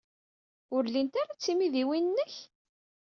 Ur llint ara d timidiwin-nnek?